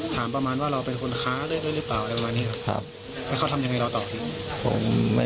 ถามประมาณว่าเราเป็นคนค้าเรื่องนี้